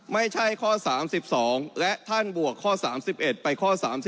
ไม่ใช่ข้อ๓๒และท่านบวกข้อ๓๑ไปข้อ๓๒